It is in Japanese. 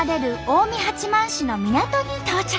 近江八幡市の港に到着。